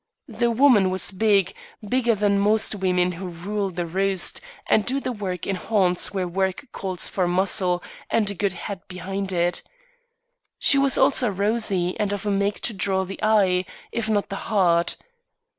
The woman was big, bigger than most women who rule the roost and do the work in haunts where work calls for muscle and a good head behind it. She was also rosy and of a make to draw the eye, if not the heart.